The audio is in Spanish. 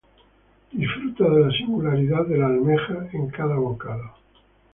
Disfruta de la singularidad de la almeja en cada bocado.